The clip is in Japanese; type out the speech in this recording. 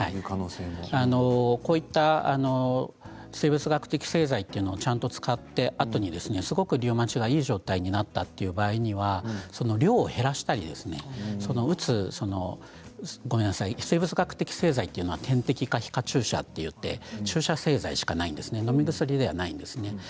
こういった生物学的製剤というのをちゃんと使って後にすごくリウマチがいい状態になったという場合は量を減らしたり生物学的製剤というのは点滴か皮下注射といって注射製剤しかないんです。のみ薬ではないんです。